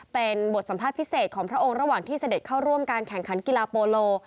เป็นบทสัมภาษณ์พิเศษของพระองค์ระหว่างที่เสด็จเข้าร่วมการแข่งขันกีฬาโปโล